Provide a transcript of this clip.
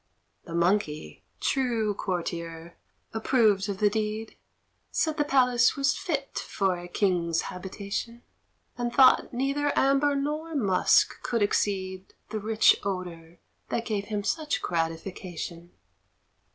The Monkey, true courtier, approved of the deed Said the palace was fit for a king's habitation, And thought neither amber nor musk could exceed The rich odour that gave him such gratification.